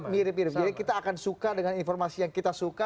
mirip mirip jadi kita akan suka dengan informasi yang kita suka